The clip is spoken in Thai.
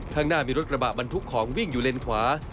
ข้างหน้ามีรถกระบะบรรทุกของวิ่งอยู่เลนขวา